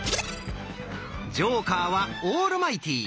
ジョーカーはオールマイティー。